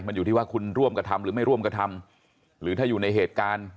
มันอยู่ที่ว่าคุณร่วมกระทำหรือไม่ร่วมกระทำหรือถ้าอยู่ในเหตุการณ์